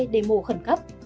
để mổ khẩn cấp